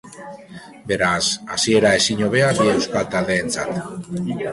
Beraz, hasiera ezin hobea bi euskal taldeentzat.